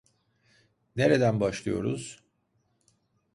Nereden başlıyoruz?